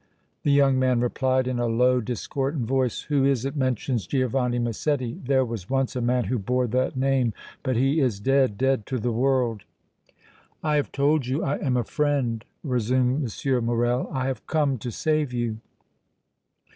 The young man replied, in a low, discordant voice: "Who is it mentions Giovanni Massetti? There was once a man who bore that name, but he is dead, dead to the world!" "I have told you I am a friend," resumed M. Morrel. "I have come to save you!"